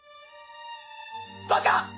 バカ！